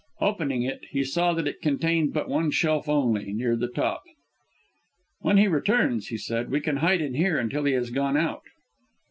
Opening it, he saw that it contained but one shelf only, near the top. "When he returns," he said, "we can hide in here until he has gone out." Dr.